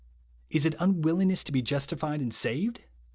Is it unwillincr ness to be justified and saved